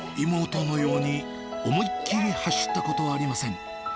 妹のように思いっ切り走ったことはありません。